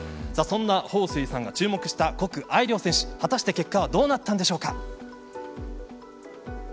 そんな彭帥さんが注目した谷愛凌選手果たして結果はどうなったんでしょうか。